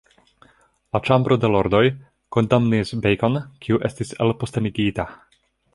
La Ĉambro de Lordoj kondamnis Bacon, kiu estis elpostenigita.